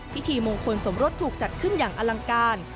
พิธีมงคลสมรสถูกจัดขึ้นอย่างอลังการ